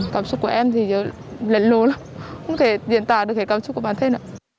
cảm xúc của em thì lệnh lộ lắm không thể diễn tả được cảm xúc của bản thân